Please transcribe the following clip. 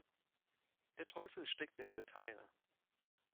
Der Teufel steckt im Detail.